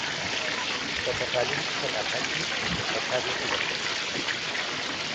که په تعلیم کي صداقت وي نو فساد نه پیدا کيږي.